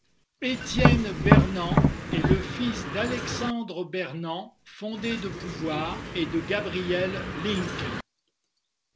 Étienne Bernand est le fils d'Alexandre Bernand, fondé de pouvoir et de Gabrielle Linck.